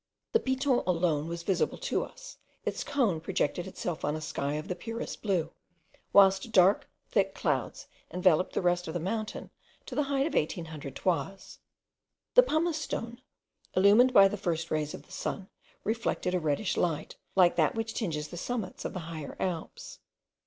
The Piton alone was visible to us; its cone projected itself on a sky of the purest blue, whilst dark thick clouds enveloped the rest of the mountain to the height of 1800 toises. The pumice stone, illumined by the first rays of the sun, reflected a reddish light, like that which tinges the summits of the higher Alps.